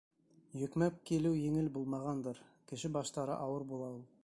Йөкмәп килеү еңел булмағандыр: кеше баштары ауыр була ул.